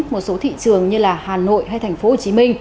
một số thị trường như hà nội hay tp hcm